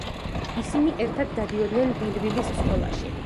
ისინი ერთად დადიოდნენ ბელვილის სკოლაში.